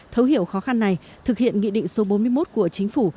thấu hiểu khó khăn này thực hiện nghị định số bốn mươi một của chính phủ